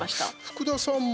福田さんも？